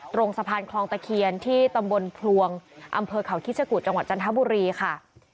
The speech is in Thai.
ตรงสะพานคลองตะเคียนที่ตำบลพลวงอำเภอเขาคิชกุฎจังหวัดจันทบุรีค่ะ